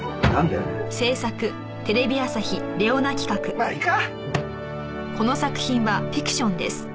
まあいいか！